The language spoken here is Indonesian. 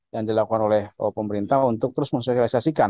yang dilakukan oleh pemerintah untuk terus mensosialisasikan